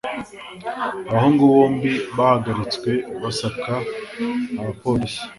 abahungu bombi bahagaritswe basaka abapolisi